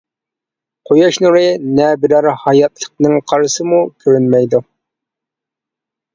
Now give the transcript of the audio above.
قۇياش نۇرى، نە بىرەر ھاياتلىقنىڭ قارىسىمۇ كۆرۈنمەيدۇ.